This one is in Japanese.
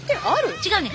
違うねん。